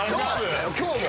今日も！